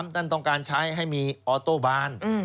ท่านต้องการใช้ให้มีออโต้บาน